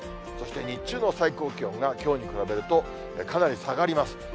そして日中の最高気温が、きょうに比べると、かなり下がります。